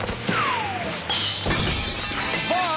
おっ！